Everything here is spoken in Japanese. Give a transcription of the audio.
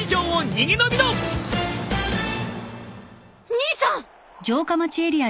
兄さん！